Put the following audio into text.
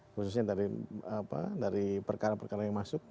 khususnya dari perkara perkara yang masuk